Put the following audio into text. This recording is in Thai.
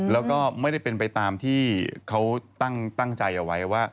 แล้วก็ไม่ได้เป็นไปตามที่เขาตั้งใจเอาไว้ว่า